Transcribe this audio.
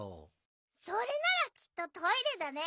それならきっとトイレだね。